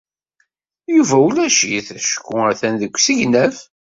Yuba ulac-it acku atan deg usegnaf.